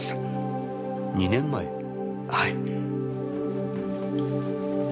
はい。